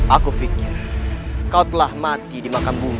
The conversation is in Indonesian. aku pikir kau telah mati di makam bumi